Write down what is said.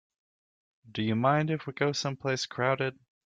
Do you mind if we go someplace crowded?